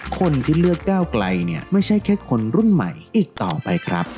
คนที่เลือกก้าวไกลเนี่ยไม่ใช่แค่คนรุ่นใหม่อีกต่อไปครับ